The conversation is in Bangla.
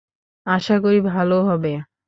আশা করি ভালো হবে।